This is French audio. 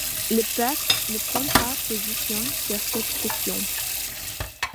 Le Pacte ne prend pas position sur cette question.